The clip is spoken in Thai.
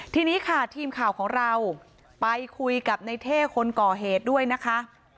ทีนี้ค่ะทีมข่าวของเราไปคุยกับในเท่คนก่อเหตุด้วยนะคะ